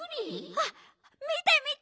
はっみてみて！